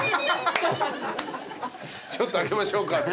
「ちょっと上げましょうか」って。